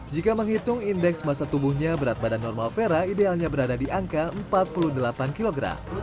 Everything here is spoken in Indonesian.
jika menghitung indeks masa tubuhnya berat badan normal vera idealnya berada di angka empat puluh delapan kg